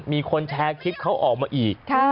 มีคนแชร์คลิปเขาออกมาอีก